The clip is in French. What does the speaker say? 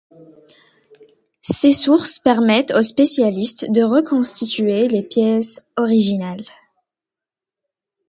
Ces sources permettent aux spécialistes de reconstituer les pièces originales.